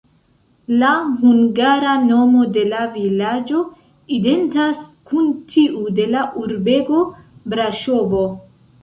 La hungara nomo de la vilaĝo identas kun tiu de la urbego Braŝovo.